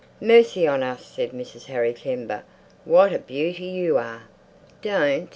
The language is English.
"Mercy on us," said Mrs. Harry Kember, "what a little beauty you are!" "Don't!"